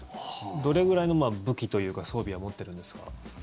どれぐらいの武器というか装備は持ってるんですか？